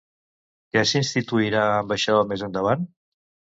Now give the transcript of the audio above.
Què s'instituirà amb això més endavant?